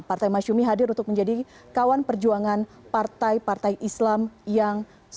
partai masyumi hadir untuk menjadi kawan perjuangan partai partai islam yang